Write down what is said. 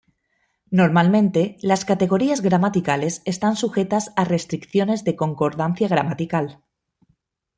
Normalmente las categorías gramaticales están sujetas a restricciones de concordancia gramatical.